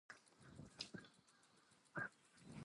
But chartered companies go back into the medieval period.